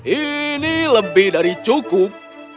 ini lebih dari cukup